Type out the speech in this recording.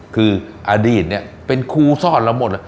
คืออดีตเป็นคู่ซ่อนเราหมด